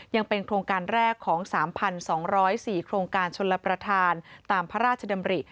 ยังเป็นโครงการแรกของ๓๒๐๔โครงการชนรับประทานตามพระราชดำริ